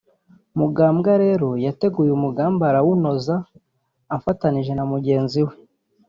Mugambwa rero yateguye umugambi arawunoza afatanyije na mugenzi we